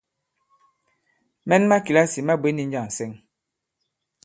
Mɛn ma kìlasì ma bwě ndi njâŋ ǹsɛŋ?